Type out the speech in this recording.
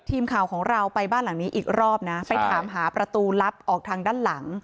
ทีมข่าวของเราไปบ้านหลังนี้อีกรอบนะไปถามหาประตูลับออกทางด้านหลัง